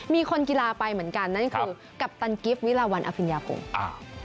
มีคนกีฬาไปเหมือนกันนั่นคือกัปตันกิฟต์วิลาวันอภิญญาพงศ์